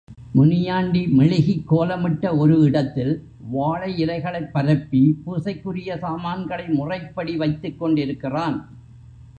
முனியாண்டி மெழுகிக் கோலமிடப்பட்ட ஒரு இடத்தில் வாழை இலைகளைப்பரப்பி பூசைக்குரிய சாமான்களை முறைப்படி வைத்துக்கொண்டிருக்கிறான்.